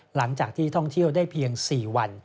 หลังจากที่ท่องเที่ยวได้เพียง๔วัน